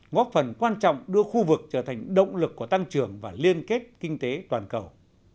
ngóp phần quan trọng đưa khu vực trở thành động lực của tăng trưởng và liên kết kinh tế toàn cầu